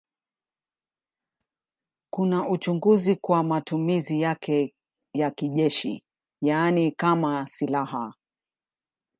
Kuna uchunguzi kwa matumizi yake ya kijeshi, yaani kama silaha.